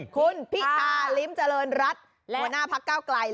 คุณพิธาลิ้มเจริญรัฐหัวหน้าพักเก้าไกล